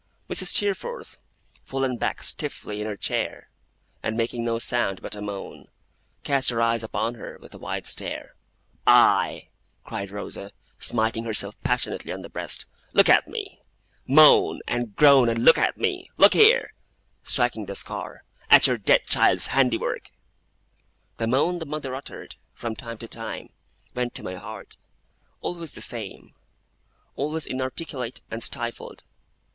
Mrs. Steerforth, fallen back stiffly in her chair, and making no sound but a moan, cast her eyes upon her with a wide stare. 'Aye!' cried Rosa, smiting herself passionately on the breast, 'look at me! Moan, and groan, and look at me! Look here!' striking the scar, 'at your dead child's handiwork!' The moan the mother uttered, from time to time, went to My heart. Always the same. Always inarticulate and stifled.